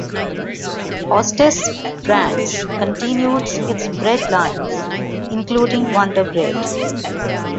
Hostess Brands continued its bread lines, including Wonder Bread.